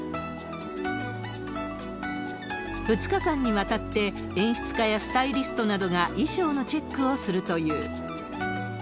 ２日間にわたって演出家やスタイリストなどが衣装のチェックをするという。